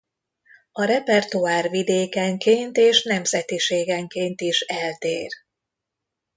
A repertoár vidékenként és nemzetiségenként is eltér.